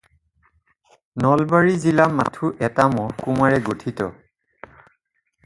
নলবাৰী জিলা মাথো এটা মহকুমাৰে গঠিত।